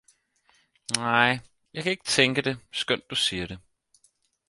Nej, jeg kan ikke tænke det, skønt du siger det